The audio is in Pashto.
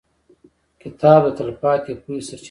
• کتاب د تلپاتې پوهې سرچینه ده.